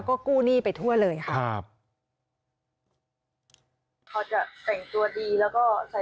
ก็กู้หนี้ไปทั่วเลยค่ะ